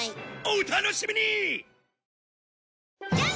お楽しみに！